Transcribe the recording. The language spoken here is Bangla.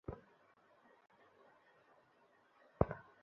Head constable Puchikannu.